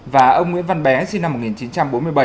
và ông nguyễn văn bé sinh năm một nghìn chín trăm bốn mươi bảy